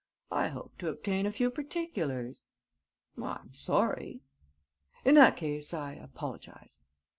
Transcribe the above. "I hoped to obtain a few particulars." "I'm sorry." "In that case, I apologise."